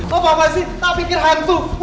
kok apa apa sih tak pikir hantu